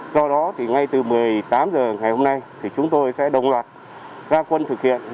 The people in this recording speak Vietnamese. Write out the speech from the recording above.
do đó thì ngay từ một mươi tám h ngày hôm nay thì chúng tôi sẽ đồng loạt ra quân thực hiện